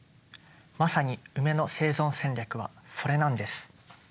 まさにウメの生存戦略はそれなんです。